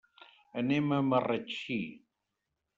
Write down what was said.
Anem a Marratxí.